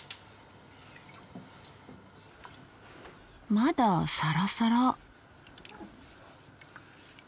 まだサラサラ。